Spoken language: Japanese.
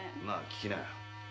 まあ聞きな。